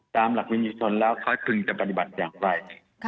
ตามหลักวินิชนแล้วค่อยพึงจะปฏิบัติอย่างไร